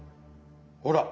ほら！